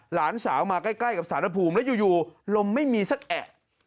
หลานสาวมาใกล้กับสารภูมิแล้วอยู่ลมไม่มีสักแอะ